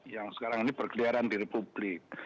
yang sekarang ini berkeliaran di republik